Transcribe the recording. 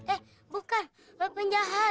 eh bukan penjahat